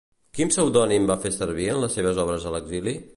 Quin pseudònim va fer servir en les seves obres a l'exili?